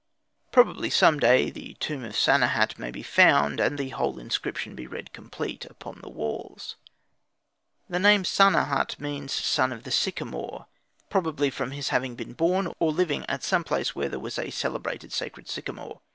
Possibly some day the tomb of Sanehat may be found, and the whole inscription be read complete upon the walls. The name Sa nehat means "son of the sycamore," probably from his having been born, or living, at some place where was a celebrated sacred sycamore.